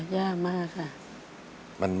ยากมากค่ะ